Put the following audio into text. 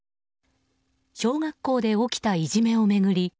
小学校で起きたいじめを巡り。